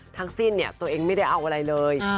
ทั้งสิ้นตัวเองไม่ได้เอาอะไรเลย